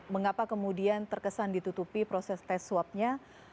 mengapa kemudian terkesan ditutupi proses swab testnya